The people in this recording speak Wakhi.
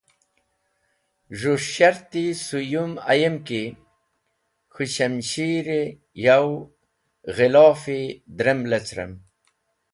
Z̃hũ shart-e suwwum ayem ki k̃hũ shamshiren yow ghilofi drem lecerem.